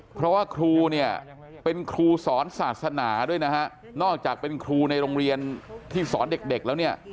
เพราะว่าครูเนี่ยเป็นครูสอนศาสนาด้วยนะฮะนอกจากเป็นครูในโรงเรียนที่สอนเด็กแล้วเนี่ย